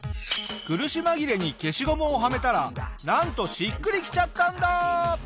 苦し紛れに消しゴムをはめたらなんとしっくりきちゃったんだ！